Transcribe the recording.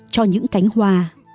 cho những cánh hoa